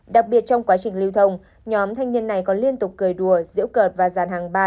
đặc biệt trong quá trình lưu thông nhóm thanh niên này còn liên tục cười đùa diễu cợt và dàn hàng ba